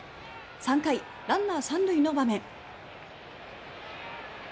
３回、ランナー３塁の場面。